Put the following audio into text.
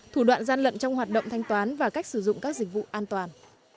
thủ đoạn gian lận trong hoạt động thanh toán và cách sử dụng các dịch vụ an toàn